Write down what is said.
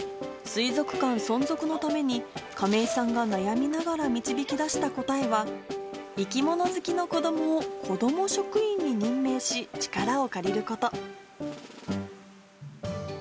水族館存続のために、亀井さんが悩みながら導き出した答えは、生き物好きの子どもを子ども職員に任命し、力を借りること。